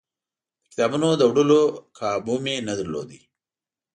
د کتابونو د وړلو کابو مې نه درلود.